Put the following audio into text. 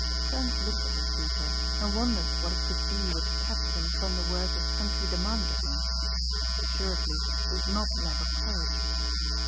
Trent looked at the speaker and wondered what it could be which kept him from the work his country demanded of him. Assuredly it was not lack of courage.